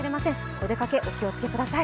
お出かけお気をつけください。